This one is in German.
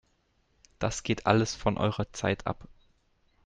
Das geht alles von eurer Zeit ab!